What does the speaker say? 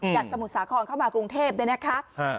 จากสมุทรสาครเข้ามากรุงเทพฯด้วยนะคะ